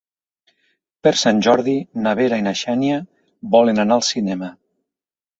Per Sant Jordi na Vera i na Xènia volen anar al cinema.